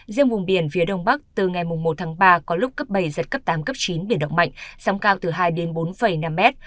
riêng vùng biển phía đông bắc từ ngày một tháng ba có lúc cấp bảy giật cấp tám cấp chín biển động mạnh sóng cao từ hai đến bốn năm mét